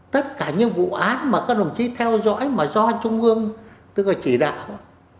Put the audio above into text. tất cả những vụ án mà các đồng chí theo dõi mà do trung ương tức là chỉ đạo